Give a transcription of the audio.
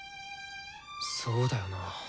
そうだよな。